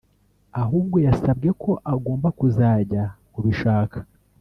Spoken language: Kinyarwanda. ahubwo yasabwe ko agomba kuzajya kubishaka